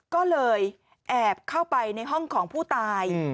ก็เลยแอบเข้าไปในห้องของผู้ตาย